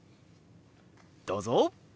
どうぞ！